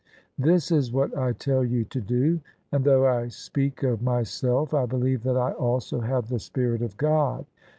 " This is what I tell you to do : and though I speak of myself I believe that I also have the Spirit of God.